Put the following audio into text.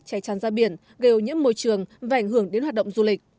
chảy tràn ra biển gây ô nhiễm môi trường và ảnh hưởng đến hoạt động du lịch